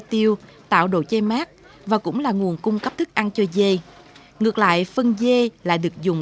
tiêu tạo đồ chơi mát và cũng là nguồn cung cấp thức ăn cho dê ngược lại phân dê lại được dùng